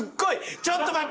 ちょっと待って。